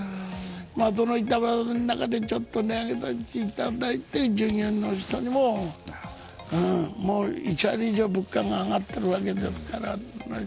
板挟みの中でちょっとの値上げは従業員の人にも１割以上物価が上がっているわけですから。